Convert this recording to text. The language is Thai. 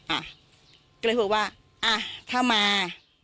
อ่ะก็เลยบอกว่าอ่ะถ้ามา